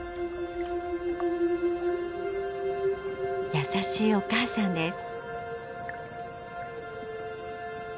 優しいお母さんです。